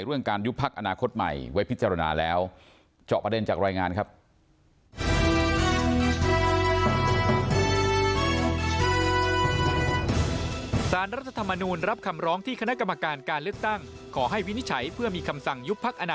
เรื่องการอยู่ภักดิ์อนาคตใหม่ไว้พิจารณาแล้ว